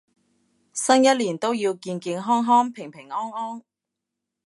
新一年都要健健康康平平安安